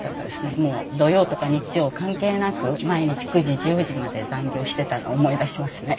もう土曜とか日曜関係なく毎日９時１０時まで残業してたの思い出しますね。